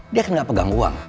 dia kan gak pegang uang